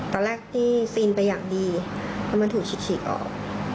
ตอนแรกที่ผู้หญิงฟังไปอย่างดีมันถูกชิกออก